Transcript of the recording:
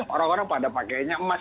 orang orang pada pakainya emas